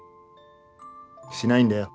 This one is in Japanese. しないんだよ。